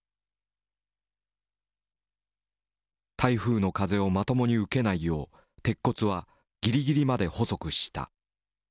台風の風をまともに受けないよう鉄骨はぎりぎりまで細くした。